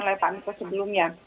oleh pak miko sebelumnya